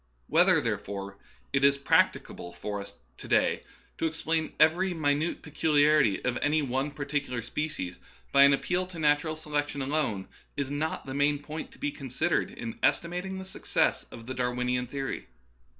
Whether, therefore, it is practicable for us to day to explain every minute peculiarity of any one particular species by an appeal to natural se lection alone is not the main point to be consid ered in estimating the success of the Darwinian theory.